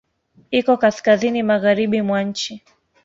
Iko kaskazini magharibi mwa nchi.